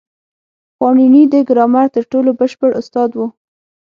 پاڼيڼى د ګرامر تر ټولو بشپړ استاد وو.